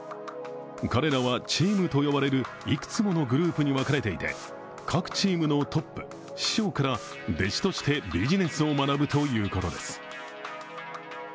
彼らはチームと呼ばれるいくつものグループに分かれていて各チームのトップ・師匠から弟子としてビジネスを学ぶということです。